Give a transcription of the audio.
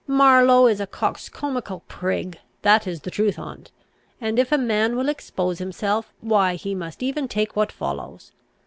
Marlow is a coxcombical prig, that is the truth on't; and if a man will expose himself, why, he must even take what follows.